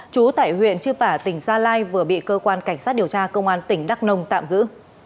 trú tại huyện chư pả tỉnh gia lai vừa bị cơ quan cảnh sát điều tra công an tỉnh đắk nông tạm giữ